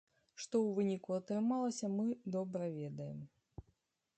Што ў выніку атрымалася, мы добра ведаем.